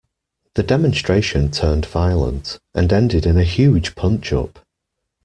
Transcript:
The demonstration turned violent, and ended in a huge punch-up